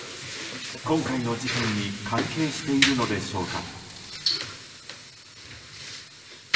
今回の事件に関係しているのでしょうか。